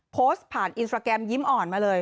โพสต์ผ่านอินสตราแกรมยิ้มอ่อนมาเลย